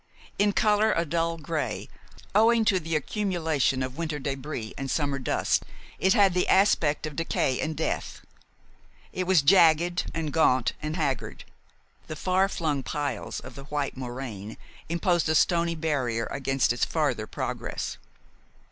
In color a dull gray, owing to the accumulation of winter débris and summer dust, it had the aspect of decay and death; it was jagged and gaunt and haggard; the far flung piles of the white moraine imposed a stony barrier against its farther progress.